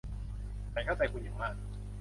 ฉันเข้าใจคุณอย่างมาก